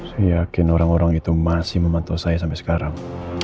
saya yakin orang orang itu masih memantau saya sampai sekarang